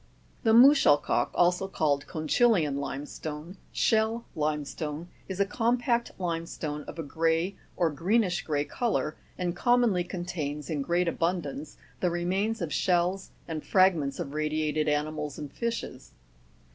30. The MUSCHELKALK (also called conchylian limestone, shell limestone) is a compact limestone of a grey or greenish grey co lour, and commonly contains, in great abundance, the remains of shells and fragments of radiated animals and fishes.